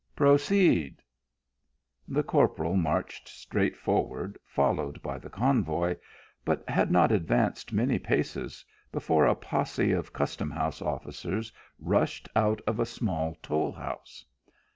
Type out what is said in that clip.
"Proceed." The corporal marched straight forward, followed by the convoy, but had not advanced many paces, before a poss6 of custom house officers rushed out of a small toll house.